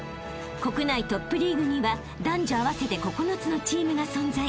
［国内トップリーグには男女合わせて９つのチームが存在］